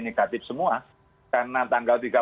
negatif semua karena tanggal tiga puluh